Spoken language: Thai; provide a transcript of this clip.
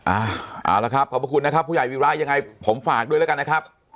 เอาละครับขอบคุณนะครับผู้ใหญ่วีระยังไงผมฝากด้วยแล้วกันนะครับ